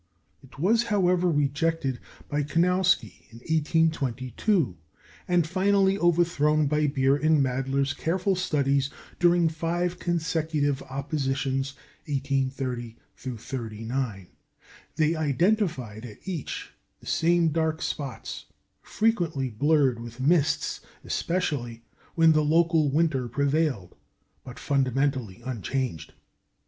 It was, however, rejected by Kunowsky in 1822, and finally overthrown by Beer and Mädler's careful studies during five consecutive oppositions, 1830 39. They identified at each the same dark spots, frequently blurred with mists, especially when the local winter prevailed, but fundamentally unchanged.